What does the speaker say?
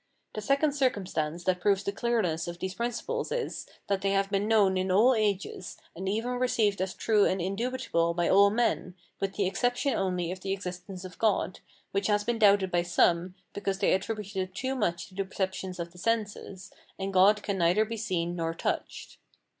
The second circumstance that proves the clearness of these principles is, that they have been known in all ages, and even received as true and indubitable by all men, with the exception only of the existence of God, which has been doubted by some, because they attributed too much to the perceptions of the senses, and God can neither be seen nor touched.